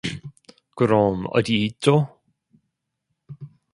그럼 어디있죠?